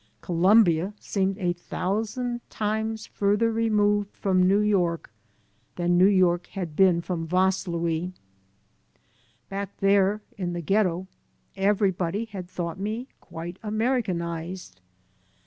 Columbia seemed a thousand times farther removed from New York than New York had been from Vaslui. Back there in the Ghetto everybody had thought me quite Americanized.